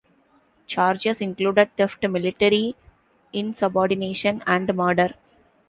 Charges included theft, military insubordination, and murder.